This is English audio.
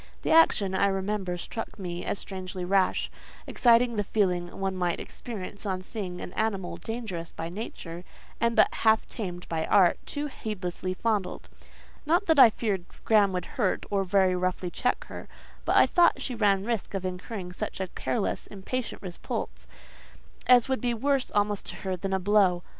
The action, I remember, struck me as strangely rash; exciting the feeling one might experience on seeing an animal dangerous by nature, and but half tamed by art, too heedlessly fondled. Not that I feared Graham would hurt, or very roughly check her; but I thought she ran risk of incurring such a careless, impatient repulse, as would be worse almost to her than a blow.